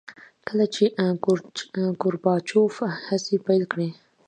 کله چې ګورباچوف هڅې پیل کړې.